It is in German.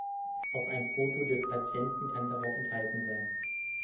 Auch ein Foto des Patienten kann darauf enthalten sein.